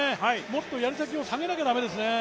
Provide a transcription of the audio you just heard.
もっとやり先を下げなければ駄目ですね。